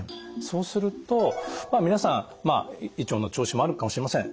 そうするとまあ皆さん胃腸の調子もあるかもしれません。